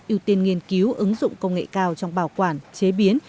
ưu tiên nghiên cứu ứng dụng công nghệ cao trong bảo quản chế biến